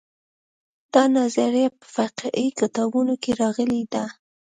دا نظریه په فقهي کتابونو کې راغلې ده.